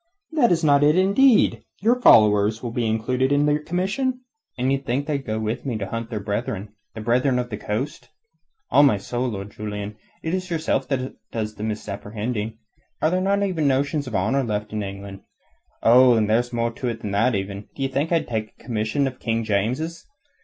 "That is not intended. Your followers will be included in your commission." "And d' ye think they'll go with me to hunt their brethren the Brethren of the Coast? On my soul, Lord Julian, it is yourself does the misapprehending. Are there not even notions of honour left in England? Oh, and there's more to it than that, even. D'ye think I could take a commission of King James's?